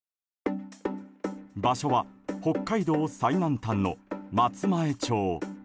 場所は、北海道最南端の松前町。